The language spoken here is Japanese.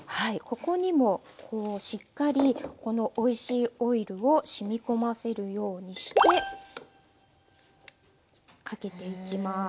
ここにもしっかりこのおいしいオイルを染み込ませるようにしてかけていきます。